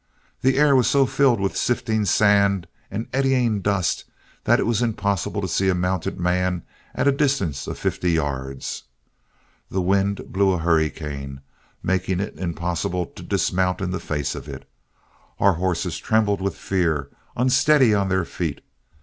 The air was so filled with sifting sand and eddying dust that it was impossible to see a mounted man at a distance of fifty yards. The wind blew a hurricane, making it impossible to dismount in the face of it. Our horses trembled with fear, unsteady on their feet.